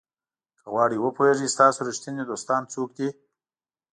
که غواړئ وپوهیږئ ستاسو ریښتیني دوستان څوک دي.